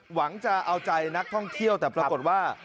หวังจะเอาใจนักท่องเที่ยวแต่ปรากฏว่า